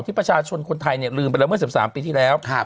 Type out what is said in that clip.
ประชาชนคนไทยเนี่ยลืมไปแล้วเมื่อ๑๓ปีที่แล้ว